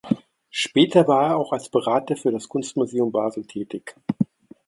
Später war er auch als Berater für das Kunstmuseum Basel tätig.